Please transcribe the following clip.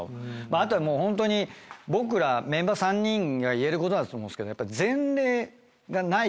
あとはもう僕らメンバー３人が言えることだと思うんですけど。